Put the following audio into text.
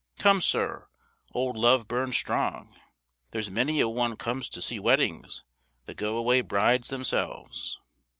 Come, sir, old love burns strong; there's many a one comes to see weddings that go away brides themselves!"